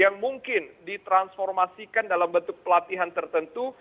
yang mungkin ditransformasikan dalam bentuk pelatihan tertentu